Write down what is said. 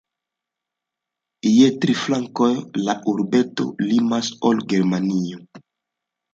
Je tri flankoj la urbeto limas al Germanio.